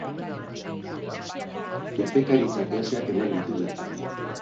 Urpekaritza klaseak ematen ditu bertan.